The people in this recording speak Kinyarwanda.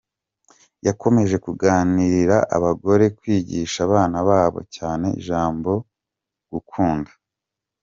Yakomeje gukangurira abagore kwigisha abana babo cyane ijambo “Gukunda“.